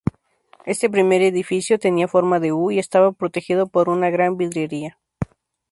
Este primer edificio tenía forma de U y estaba protegido por una gran vidriera.